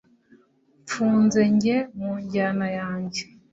Mfunze njye mu njyana yanjye